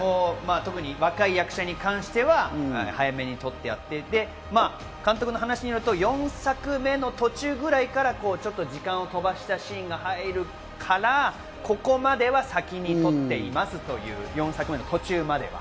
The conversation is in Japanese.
若い役者に関しては早めに撮ってあって、監督の話によると４作目の途中ぐらいから時間を飛ばしたシーンが入るから、ここまでは先に撮っていますという、４作目の途中までは。